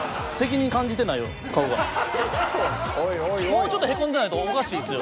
もうちょっとヘコんでないとおかしいですよ。